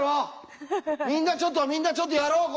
みんなちょっとみんなちょっとやろうこれ一緒に！